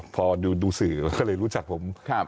พอดูสื่อก็เลยรู้จักผม